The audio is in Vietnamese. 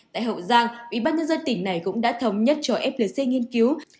tại hậu giang ubnd tỉnh này cũng đã thống nhất cho flc nghiên cứu